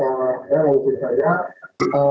saya mau ceritanya